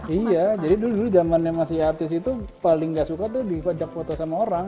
iya jadi dulu dulu zamannya masih artis itu paling gak suka tuh dipajak foto sama orang